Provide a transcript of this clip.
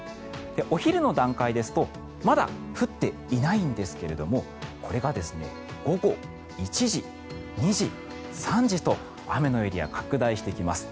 お昼の段階ですとまだ降っていないんですけれどもこれが午後１時、２時、３時と雨のエリア拡大してきます。